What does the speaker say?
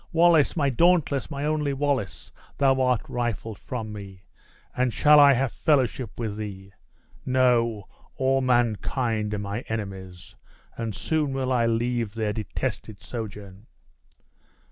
"Wallace! my dauntless, my only Wallace, thou art rifled from me! And shall I have fellowship with these? No, all mankind are my enemies, and soon will I leave their detested sojourn!"